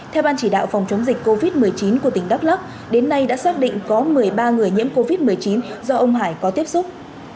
theo ban chỉ đạo phòng chống dịch covid một mươi chín của tỉnh đắk lắc đến nay đã xác định có một mươi ba người nhiễm covid một mươi chín do ông hải có tiếp xúc